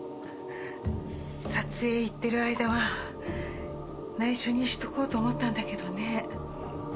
撮影行ってる間は内緒にしとこうと思ったんだけどね。